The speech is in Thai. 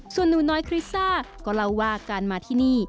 ส่วนหนูน้อยคริสซ่าก็เล่าว่าการมาที่นี่